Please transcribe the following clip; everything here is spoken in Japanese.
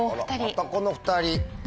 またこの２人。